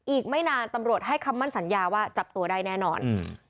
อีกไม่นานตำรวจให้คำมั่นสัญญาว่าจับตัวได้แน่นอน